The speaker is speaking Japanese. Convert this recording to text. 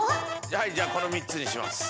はいじゃあこの３つにします。